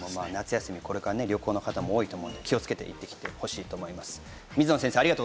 夏休みもこれから旅行の方も多いと思いますので、気をつけて行ってきてほしいと思います。